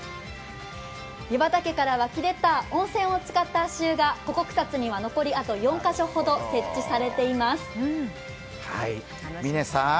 湯畑から湧き出た温泉を使った足湯がここ草津には残りあと４カ所ほど設置されています。